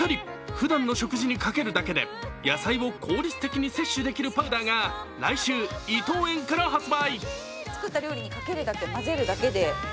ふだんの食事にかけるだけで野菜を効率的に摂取できるパウダーが来週、伊藤園から発売。